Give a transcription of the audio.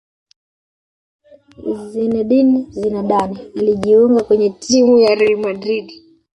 zinedine Zidane alijiunga kwenye timu ya real madrid